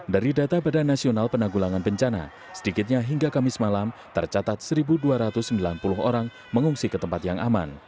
dari data badan nasional penanggulangan bencana sedikitnya hingga kamis malam tercatat satu dua ratus sembilan puluh orang mengungsi ke tempat yang aman